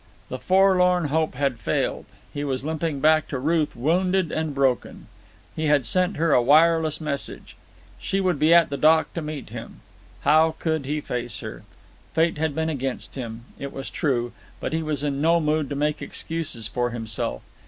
The forlorn hope had failed; he was limping back to Ruth wounded and broken. He had sent her a wireless message. She would be at the dock to meet him. How could he face her? Fate had been against him, it was true, but he was in no mood to make excuses for himself.